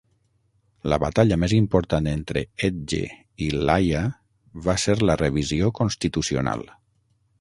La batalla més important entre Edge i l'Haia va ser la revisió constitucional.